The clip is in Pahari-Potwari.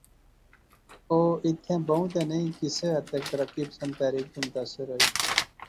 او ایتھیں بہوں تہ نئیں کسے حد تک ترقی پسند تحریک تھی متاثر ہوئی